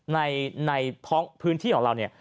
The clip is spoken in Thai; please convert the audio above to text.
ในพื้นที่ของเราเนี่ย